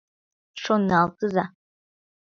Шоналтыза.